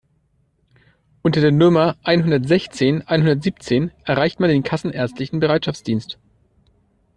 Unter der Nummer einhundertsechzehn einhundertsiebzehn erreicht man den kassenärztlichen Bereitschaftsdienst.